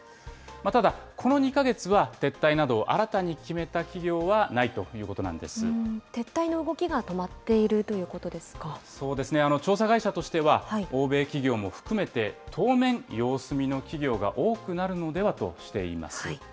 ただ、この２か月は、撤退などを新たに決めた企業はないというこ撤退の動きが止まっているとそうですね、調査会社としては、欧米企業も含めて、当面様子見の企業が多くなるのではとしています。